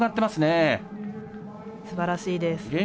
すばらしいです。